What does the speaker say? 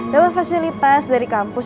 dapat fasilitas dari kampus